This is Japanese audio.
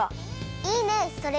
いいねそれ！